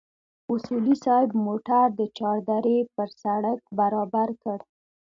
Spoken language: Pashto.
اصولي صیب موټر د چار درې پر سړک برابر کړ.